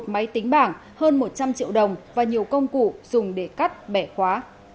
một máy tính bảng hơn một trăm linh triệu đồng và nhiều công cụ dùng để cắt bẻ khóa